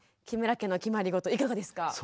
木村家の決まりごといかがですか？